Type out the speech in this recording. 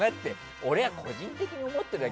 俺、個人的に思ってるだけ。